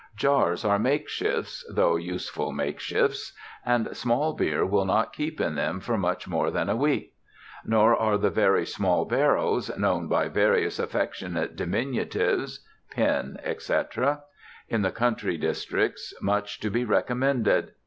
Jars are makeshifts, though useful makeshifts: and small beer will not keep in them for much more than a week. Nor are the very small barrels, known by various affectionate diminutives ("pin," etc.) in the country districts, much to be recommended.